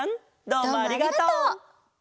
どうもありがとう！